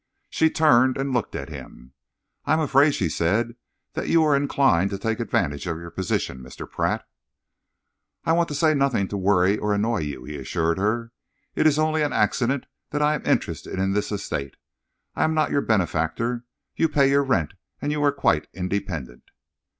She turned and looked at him. "I am afraid," she said, "that you are inclined to take advantage of your position, Mr. Pratt." "I want to say nothing to worry or annoy you," he assured her. "It is only an accident that I am interested in this estate. I am not your benefactor. You pay your rent and you are quite independent."